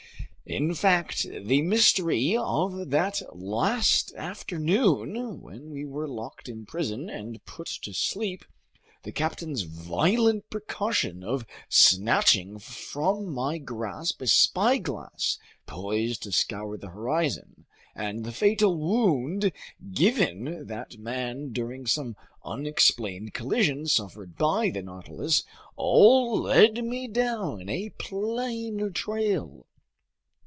In fact, the mystery of that last afternoon when we were locked in prison and put to sleep, the captain's violent precaution of snatching from my grasp a spyglass poised to scour the horizon, and the fatal wound given that man during some unexplained collision suffered by the Nautilus, all led me down a plain trail.